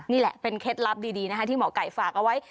นี่แหละเป็นเคล็ดลับดีนะคะที่หมอไก่ฝากเอาไว้